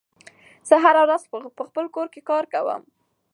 زه هره ورځ په خپل کور کې کار کوم.